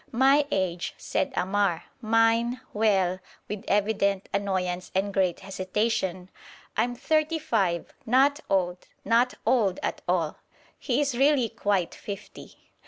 "' 'My age,' said Ammar, 'mine well' with evident annoyance and great hesitation 'I'm thirty five not old not old at all.' He is really quite fifty.